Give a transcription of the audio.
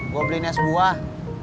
gue beliin es buah